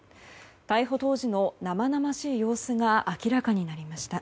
逮捕当時の生々しい様子が明らかになりました。